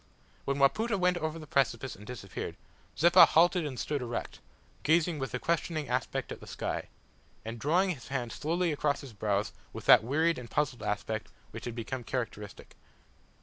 When Wapoota went over the precipice and disappeared, Zeppa halted and stood erect, gazing with a questioning aspect at the sky, and drawing his hand slowly across his brows with that wearied and puzzled aspect which had become characteristic.